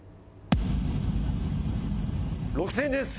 ６０００円です！